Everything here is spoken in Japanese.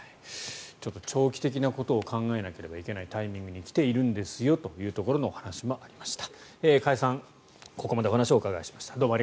長期的なことを考えなければいけないタイミングに来ているんですよというところのお話もありました。